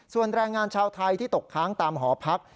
ส่วนแรงงานชาวไทยที่ตกค้างตามหอพัก